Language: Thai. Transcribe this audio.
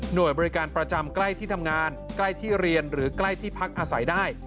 โดยบริการประจำใกล้ที่ทำงานใกล้ที่เรียนหรือใกล้ที่พักอาศัยได้